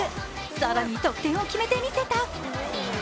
更に得点を決めてみせた。